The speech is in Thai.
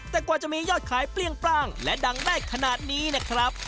แต่กว่าจะมียอดขายเปรี้ยงปร่างและดังได้ขนาดนี้นะครับ